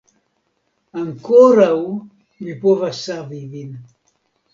Ankoraŭ mi povas savi vin.